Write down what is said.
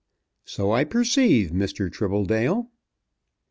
"So I perceive, Mr. Tribbledale."